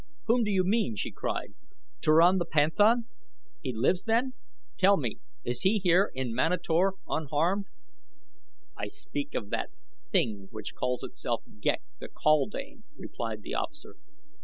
"Whom do you mean," she cried; "Turan the panthan? He lives, then? Tell me, is he here in Manator unharmed?" "I speak of that thing which calls itself Ghek the kaldane," replied the officer.